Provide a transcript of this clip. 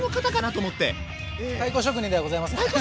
太鼓職人ではございません。